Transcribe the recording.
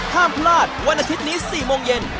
ห้ามพลาดวันอาทิตย์นี้๔โมงเย็น